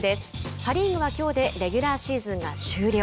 パ・リーグはきょうでレギュラーシーズンが終了。